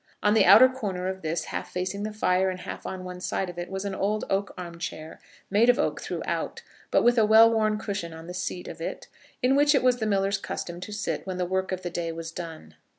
On the outer corner of this, half facing the fire, and half on one side of it, was an old oak arm chair, made of oak throughout, but with a well worn cushion on the seat of it, in which it was the miller's custom to sit when the work of the day was done.